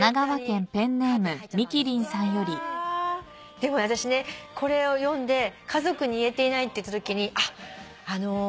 でも私ねこれを読んで「家族に言えていない」って言ったときに。